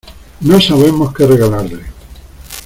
No sabemos qué regalarle.